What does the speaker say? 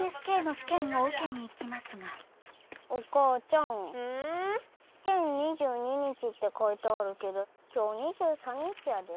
試験２２日って書いてあるけど今日２３日やで。